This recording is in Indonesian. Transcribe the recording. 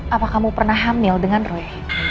apa kamu pernah hamil dengan roy